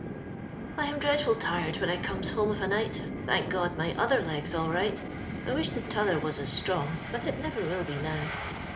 '* I am dreadful tired when I comes home of a night. Thank God my other leg's all right ! I wish the t'other was as strong, but it never will be now.